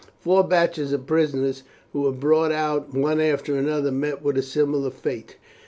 Four batches of prisoners who were brought out one after another met with a similar fate.